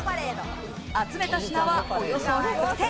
集めた品は、およそ１００点。